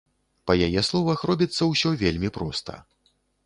Па яе словах, робіцца ўсё вельмі проста.